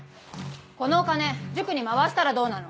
このお金塾に回したらどうなの？